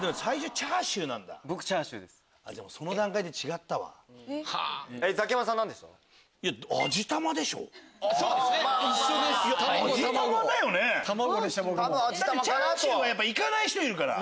チャーシューは行かない人いるから。